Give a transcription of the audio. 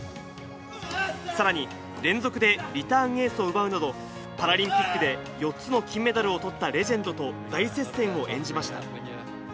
さらに連続でリターンエースを奪うなど、パラリンピックで４つの金メダルをとったレジェンドと大接戦を演じました。